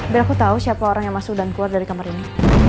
biar aku tahu siapa orang yang masuk dan keluar dari kamar ini